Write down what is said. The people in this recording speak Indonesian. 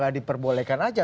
kenapa tidak diperbolehkan saja